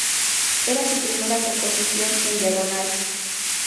Era su primera composición en diagonal.